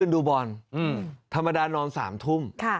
เมื่อคืนดูบอลธรรมดานนอน๓ทุ่ม